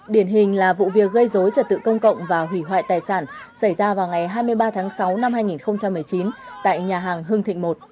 điển hình là vụ việc gây dối trật tự công cộng và hủy hoại tài sản xảy ra vào ngày hai mươi ba tháng sáu năm hai nghìn một mươi chín tại nhà hàng hưng thịnh một